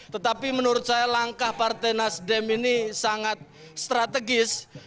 tetapi menurut saya langkah partai nasdem ini sangat strategis